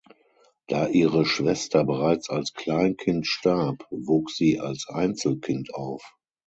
Da ihre Schwester bereits als Kleinkind starb, wuchs sie als Einzelkind auf.